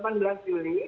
itu ada tes kompetensi